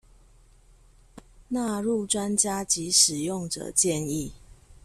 納入專家及使用者建議